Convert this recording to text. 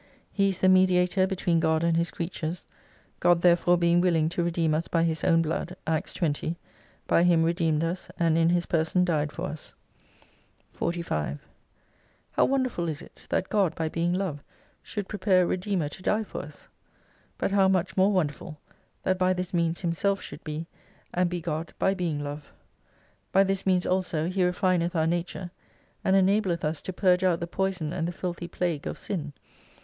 He is the Mediator between God and His creatures. God therefore being willing to redeem us by His own blood, (Acts 20) by Him redeemed us, and in His person died for us. 45 How wonderful is it that God by being Love should prepare a Redeemer to die for us? But how much more wonderful, that by this means Himself should be, and be God by being Love ! By this means also He ref ineth our nature, and enableth us to purge out the poison and the filthy plague of Sin.